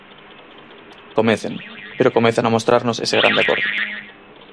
Comecen, pero comecen a mostrarnos ese grande acordo.